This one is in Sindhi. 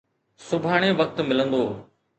سڀاڻي وقت ملندو.